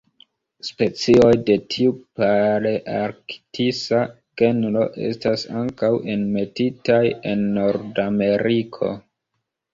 Specioj de tiu palearktisa genro estas ankaŭ enmetitaj en Nordameriko.